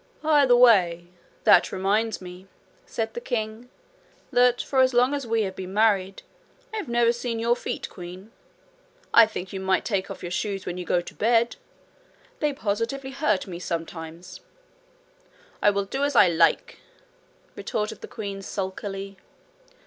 'By the way, that reminds me,' said the king, 'that for as long as we have been married, I have never seen your feet, queen. I think you might take off your shoes when you go to bed! They positively hurt me sometimes.' 'I will do as I like,' retorted the queen sulkily.